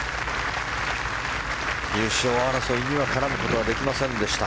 優勝争いには絡むことはできませんでした。